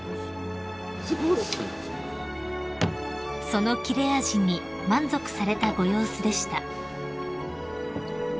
［その切れ味に満足されたご様子でした］